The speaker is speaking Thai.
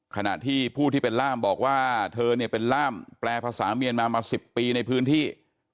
ขณะที่ผู้ที่เป็นล่ามบอกว่าเธอเนี่ยเป็นล่ามแปลภาษาเมียนมามา๑๐ปีในพื้นที่